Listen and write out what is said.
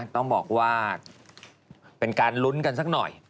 ต้องบอกว่าเป็นการลุ้นกันสักหน่อย